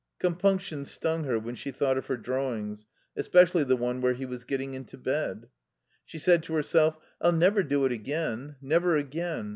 Compunction stung her when she thought of her drawings, especially the one where he was getting into bed. She said to herself: "I'll never do it again. Never again....